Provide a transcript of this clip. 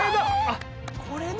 あっこれだ。